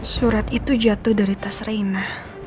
surat itu jatuh dari tas reina